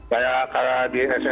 kayak di ssi